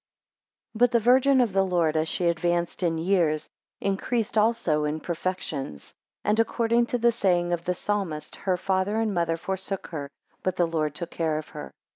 BUT the Virgin of the Lord, as she advanced in years, increased also in perfections, and according to the saying of the Psalmist, her father and mother forsook her, but the Lord took care of her.